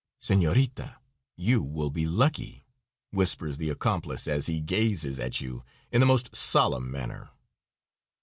"Senorita, you will be lucky," whispers the accomplice as he gazes at you in the most solemn manner.